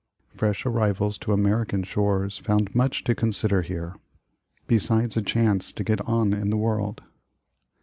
Fresh arrivals to American shores found much to consider here, besides a chance to get on in the world.